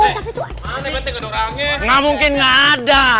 gak mungkin gak ada